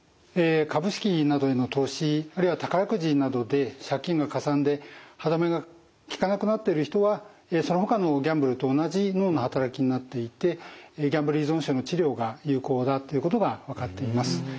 株式などへの投資あるいは宝くじなどで借金がかさんで歯止めがきかなくなってる人はそのほかのギャンブルと同じ脳の働きになっていてギャンブル依存症の治療が有効だということが分かっています。